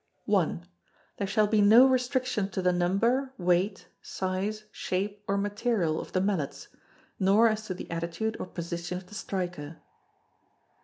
i. There shall be no restriction to the number, weight, size, shape, or material of the mallets: nor as to the attitude or position of the striker.